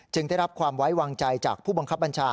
ได้รับความไว้วางใจจากผู้บังคับบัญชา